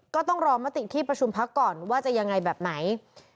ก็ต้องรอมติที่ประชุมพักก่อนว่าจะยังไงแบบไหน